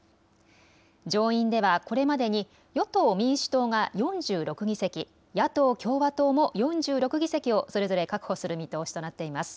上院ではこれまでに与党・民主党が４６議席、野党・共和党も４６議席をそれぞれ確保する見通しとなっています。